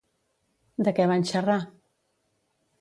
De què van xerrar?